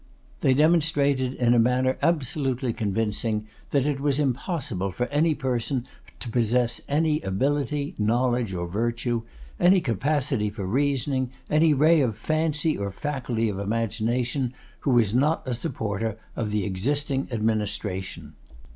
They demonstrated in a manner absolutely convincing, that it was impossible for any person to possess any ability, knowledge, or virtue, any capacity of reasoning, any ray of fancy or faculty of imagination, who was not a supporter of the existing administration.